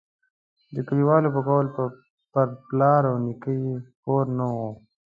د کلیوالو په قول پر پلار او نیکه یې پور نه وو.